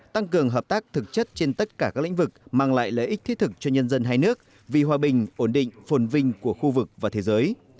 tăng cường hợp tác thực chất trên tất cả các lĩnh vực mang lại lợi ích thiết thực cho nhân dân hai nước vì hòa bình ổn định phồn vinh của khu vực và thế giới